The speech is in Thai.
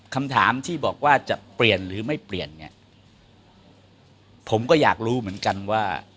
คำถามที่บอกว่าจะเปลี่ยนหรือไม่เปลี่ยนเนี่ยผมก็อยากรู้เหมือนกันว่า